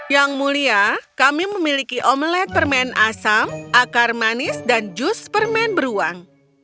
yang mulia kami memiliki omelet permen asam akar manis dan jus permen beruang